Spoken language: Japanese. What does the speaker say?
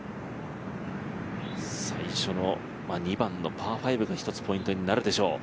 最初の２番のパー５がひとつポイントになるでしょう。